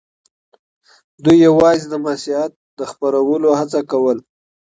دوی یوازې د مسیحیت د خپرولو هڅه کوله.